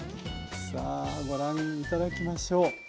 さあご覧頂きましょう。